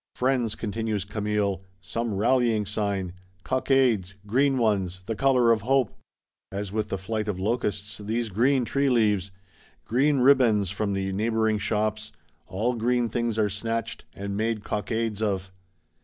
—Friends, continues Camille, some rallying sign! Cockades; green ones;—the colour of hope!—As with the flight of locusts, these green tree leaves; green ribands from the neighbouring shops; all green things are snatched, and made cockades of.